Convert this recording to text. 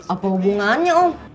apa hubungannya om